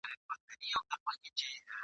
ظاهر سپین وي په باطن توره بلا وي ..